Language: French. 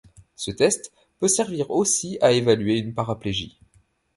Ce test peut servir aussi à évaluer une paraplégie.